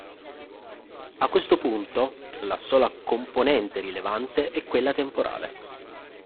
A questo punto, la sola componente rilevante è quella temporale.